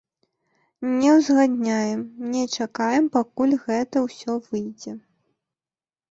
Не ўзгадняем, не чакаем, пакуль гэта ўсё выйдзе.